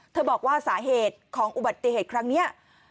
บอกว่าสาเหตุของอุบัติเหตุครั้งนี้